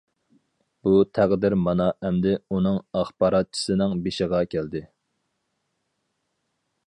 بۇ تەقدىر مانا ئەمدى ئۇنىڭ ئاخباراتچىسىنىڭ بېشىغا كەلدى.